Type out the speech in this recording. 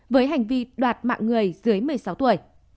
với hành vi đoạt mạng người dưới một mươi sáu tuổi